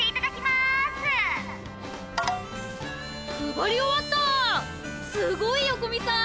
すごいよ古見さん！